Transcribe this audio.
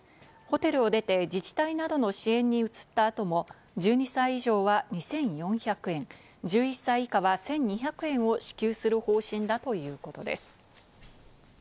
ホテルを出て自治体などの支援に移った後も、１２歳以上は２４００円、１１歳以下は１２００円を支給する方針だということです。